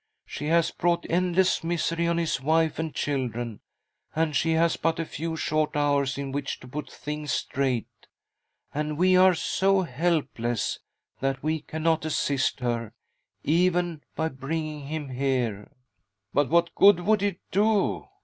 She has brought endless misery on his wife and children, and she has but a few short hours in which to put things straight. And we are so helpless that we cannot assist her even by bringing him here." " But what good would it do